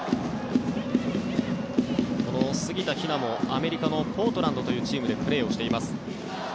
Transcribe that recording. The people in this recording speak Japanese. この杉田妃和もアメリカのポートランドというチームでプレーをしています。